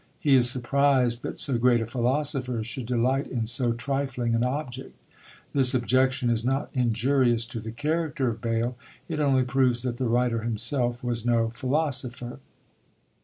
He is surprised that so great a philosopher should delight in so trifling an object. This objection is not injurious to the character of Bayle; it only proves that the writer himself was no philosopher.